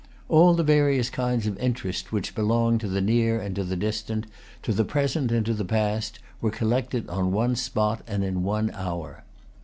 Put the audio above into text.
All the various kinds of interest which belong to the near and to the distant, to the present and to the past, were collected on one spot, and in one hour.